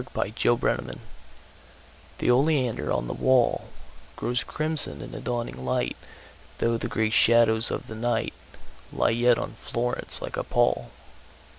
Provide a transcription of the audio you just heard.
By the Arno THE OLEANDER on the wallGrows crimson in the dawning light, Though the grey shadows of the nightLie yet on Florence like a pall.